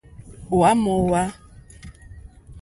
Hwá mòhwá.